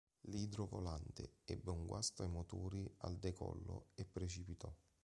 L'idrovolante ebbe un guasto ai motori al decollo e precipitò.